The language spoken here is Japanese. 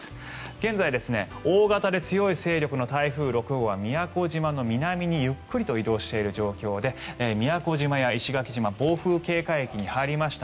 現在、大型で強い勢力の台風６号は宮古島の南にゆっくりと移動している状況で宮古島や石垣島暴風警戒域に入りました。